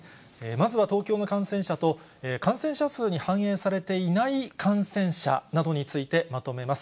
まずは東京の感染者と、感染者数に反映されていない感染者などについて、まとめます。